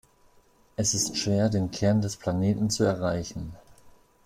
Es ist schwer, den Kern des Planeten zu erreichen.